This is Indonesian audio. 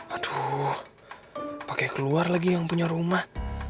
aduh pakai keluar lagi yang punya rumah